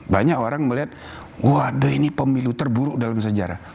banyak orang melihat waduh ini pemilu terburuk dalam sejarah